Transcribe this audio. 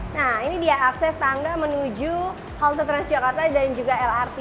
nah ini dia akses tangga menuju halte transjakarta dan juga lrt